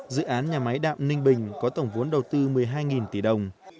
dự án nhà máy đạm ninh bình có tổng vốn đầu tư một mươi hai tỷ đồng